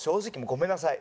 ごめんなさい。